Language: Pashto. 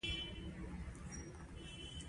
• شیدې د حافظې لپاره هم ښه ماده ده.